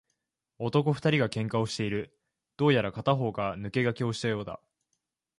男二人が喧嘩をしている。どうやら片方が抜け駆けをしたようだ。